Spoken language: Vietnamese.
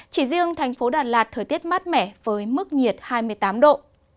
chỉ riêng thành phố đà lạt thời tiết mát mẻ với mức nhiệt hai mươi tám độ